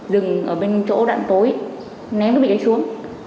rừng ở bên chỗ đạn tối ném cái bị gây xuống